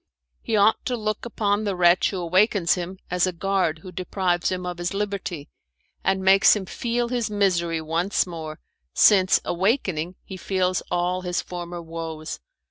He ought to look upon the wretch who awakens him as a guard who deprives him of his liberty, and makes him feel his misery once more, since, awakening, he feels all his former woes.